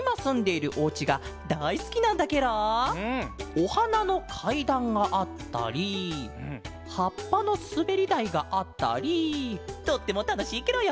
おはなのかいだんがあったりはっぱのすべりだいがあったりとってもたのしいケロよ！